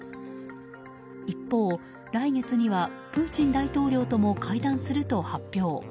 一方、来月にはプーチン大統領とも会談すると発表。